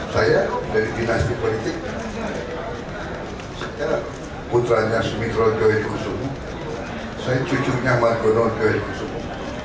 saya dari dinasti politik putranya sumitra goye jusubu saya cucunya margonon goye jusubu